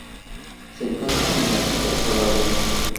Se encuentra en las Islas Hawaii.